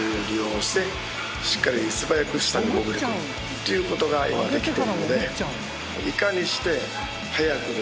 ていうことが今できているので。